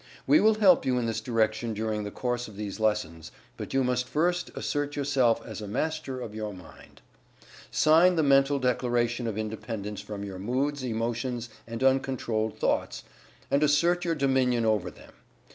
We will help you in this direction during the course of these lessons, but you must first assert yourself as a Master of your Mind. Sign the mental Declaration of Independence from your moods, emotions, and uncontrolled thoughts, and assert your Dominion over them.